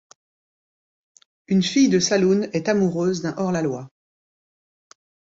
Une fille de saloon est amoureuse d'un hors-la-loi.